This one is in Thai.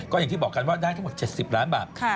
ก็อย่างที่บอกกันว่าได้ทั้งหมด๗๐ล้านบาท